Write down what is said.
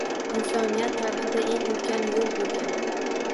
Insoniyat tarixida eng ulkan yo’l boʻlgan